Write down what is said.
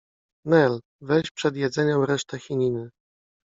— Nel, weź przed jedzeniem resztę chininy.